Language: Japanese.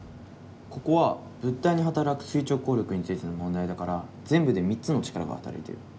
ここは物体に働く垂直抗力についての問題だから全部で３つの力が働いてる。